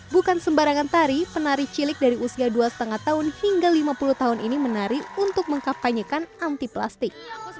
bukan sembarangan tari penari cilik dari usia dua lima tahun hingga lima puluh tahun ini menari untuk mengkapanyekan anti plastik